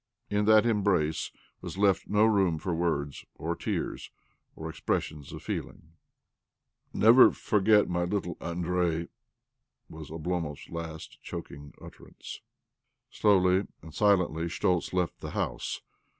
In that embrace was left no room for words or tears or expressions of feeling ." Never forget my little Andrei," was Oblomov's last choking utterance. Slowly and silently Schtoltz left the house.